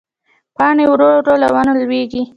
پاڼې ورو ورو له ونو رالوېږي